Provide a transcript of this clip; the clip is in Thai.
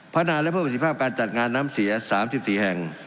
นาและเพิ่มประสิทธิภาพการจัดงานน้ำเสีย๓๔แห่ง